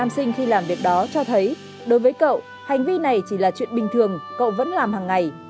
sinh khi làm việc đó cho thấy đối với cậu hành vi này chỉ là chuyện bình thường cậu vẫn làm hàng ngày